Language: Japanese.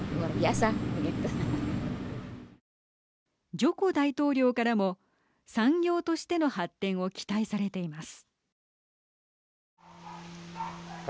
ジョコ大統領からも産業としての発展を期待されています。